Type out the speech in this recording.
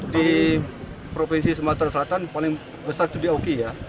di provinsi sumatera selatan paling besar itu di oki ya